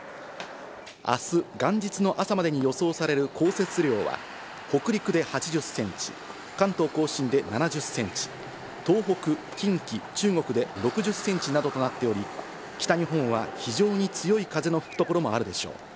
明日、元日の朝までに予想される降雪量は北陸で８０センチ、関東甲信で７０センチ、東北、近畿、中国で６０センチなどとなっており、北日本は非常に強い風が吹く所もあるでしょう。